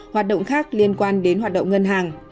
hoạt động khác liên quan đến hoạt động ngân hàng